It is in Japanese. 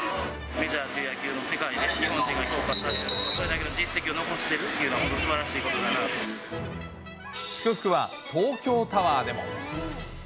メジャーという野球の世界で日本人が評価される、それだけの実績を残しているっていうのは、祝福は東京タワーでも。